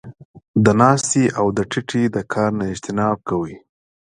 د ناستې او د ټيټې د کار نۀ اجتناب کوي -